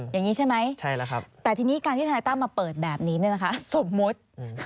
อย่างนี้ใช่ไหมแต่ทีนี้การที่ทนายตั้มมาเปิดแบบนี้เนี่ยนะคะสมมุติ